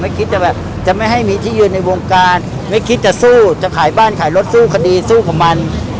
คิดจะแบบจะไม่ให้มีที่ยืนในวงการไม่คิดจะสู้จะขายบ้านขายรถสู้คดีสู้กับมัน